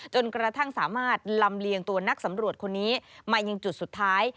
จนกระทั่งสามารถลำเลียงตัวนักสำรวจคนนี้มายังจุดสุดท้าย